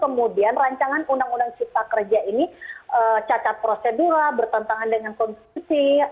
kemudian rancangan undang undang cipta kerja ini cacat prosedural bertentangan dengan konstitusi